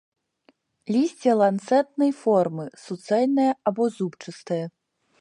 Лісце ланцэтнай формы, суцэльнае або зубчастае.